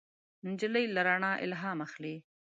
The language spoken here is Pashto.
نجلۍ له رڼا الهام اخلي.